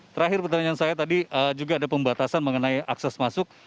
terakhir pertanyaan saya tadi juga ada pembatasan mengenai akses masuk